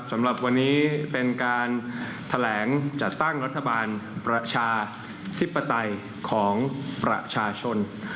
สำหรับวันนี้เป็นการแถลงจัดตั้งรัฐบาลประชาธิปไตยของประชาชน